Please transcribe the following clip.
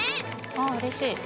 あっうれしい。